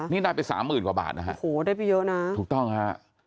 นี่ได้ไป๓๐๐๐๐กว่าบาทนะครับถูกต้องครับโอ้โหได้ไปเยอะนะ